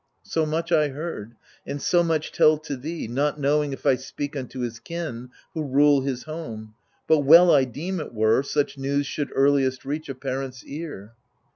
So much I heard, and so much tell to thee, Not knowing if I speak unto his kin Who rule his home ; but well, I deem, it were, Such news should earliest reach a parent's ear.